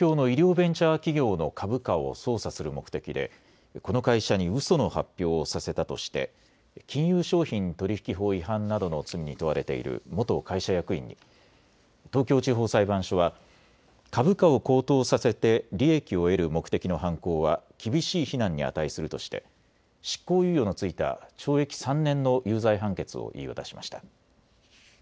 ベンチャー企業の株価を操作する目的でこの会社にうその発表をさせたとして金融商品取引法違反などの罪に問われている元会社役員に東京地方裁判所は株価を高騰させて利益を得る目的の犯行は厳しい非難に値するとして執行猶予の付いた懲役３年の有罪判決を言い渡しました。